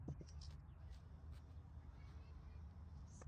Fue Diputado Provincial de Zaragoza en representación del distrito Ejea-Sos.